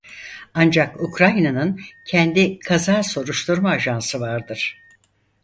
Ancak Ukrayna'nın kendi kaza soruşturma ajansı vardır.